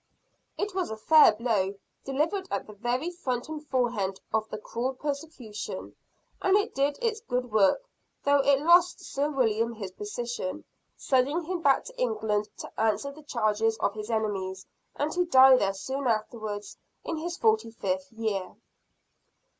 It was a fair blow, delivered at the very front and forehead of the cruel persecution and it did its good work, though it lost Sir William his position sending him back to England to answer the charges of his enemies, and to die there soon afterwards in his forty fifth year.